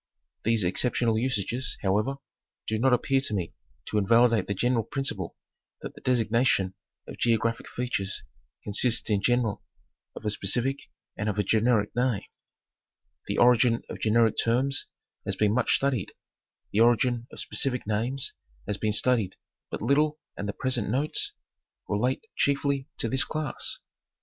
'These exceptional usages, however, do not appear to me to invalidate the general principle that the designation of geographic features consists in general of a specific and of a generic name. The origin of generic terms has been much studied. The origin of specific names has been studied but little and the present 274 National Geographic Magazine. notes relate chiefly to this class.